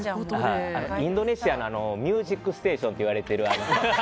インドネシアの「ミュージックステーション」といろいろありますね。